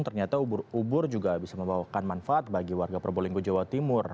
ternyata ubur ubur juga bisa membawakan manfaat bagi warga probolinggo jawa timur